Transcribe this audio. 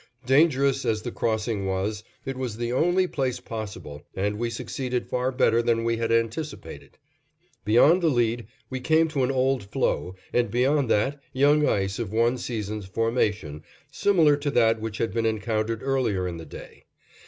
Dangerous as the crossing was, it was the only place possible, and we succeeded far better than we had anticipated. Beyond the lead we came to an old floe and, beyond that, young ice of one season's formation, similar to that which had been encountered earlier in the day.